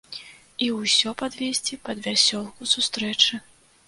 І ўсё падвесці пад вясёлку сустрэчы.